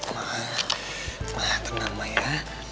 ma ma tenang ma ya